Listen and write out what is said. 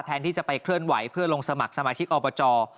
แทนที่จะไปเคลื่อนไหว้เพื่อลงสมัครสมาชิกอพลุงครับ